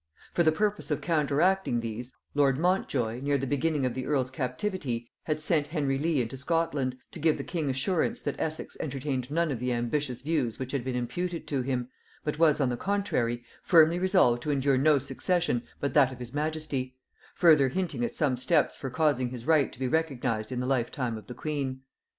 For the purpose of counteracting these, lord Montjoy, near the beginning of the earl's captivity, had sent Henry Leigh into Scotland, to give the king assurance that Essex entertained none of the ambitious views which had been imputed to him, but was, on the contrary, firmly resolved to endure no succession but that of his majesty; further hinting at some steps for causing his right to be recognised in the lifetime of the queen.